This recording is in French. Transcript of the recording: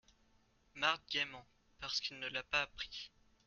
Marthe gaiement. — Parce qu’il ne l’a pas appris.